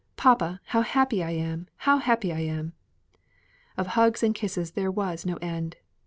"Papa, how happy I am! how happy I am!" Of hugs and kisses there was no end.